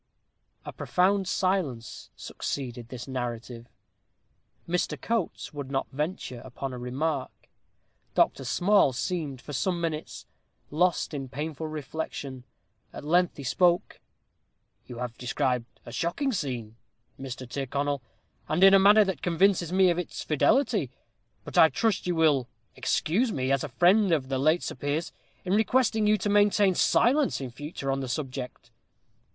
A profound silence succeeded this narrative. Mr. Coates would not venture upon a remark. Dr. Small seemed, for some minutes, lost in painful reflection; at length he spoke: "You have described a shocking scene, Mr. Tyrconnel, and in a manner that convinces me of its fidelity. But I trust you will excuse me, as a friend of the late Sir Piers, in requesting you to maintain silence in future on the subject.